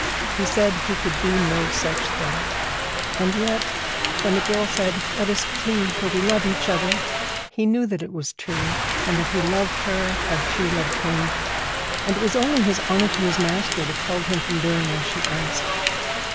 He said he could not do such a thing. And yet when the girl said, 'Let us flee, for we love each other,' he knew that it was true, and that he loved her as she loved him; and it was only his honour to his master that held him from doing as she asked.